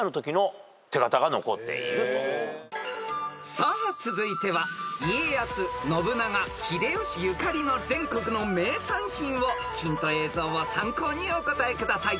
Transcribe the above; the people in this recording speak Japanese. ［さあ続いては家康信長秀吉ゆかりの全国の名産品をヒント映像を参考にお答えください］